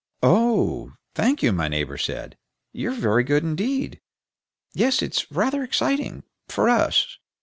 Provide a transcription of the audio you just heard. "Oh, thank you," my neighbor said. "You're very good indeed. Yes, it's rather exciting for us.